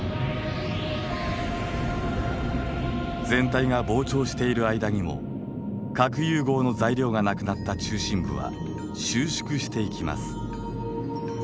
全体が膨張している間にも核融合の材料がなくなった中心部は収縮していきます。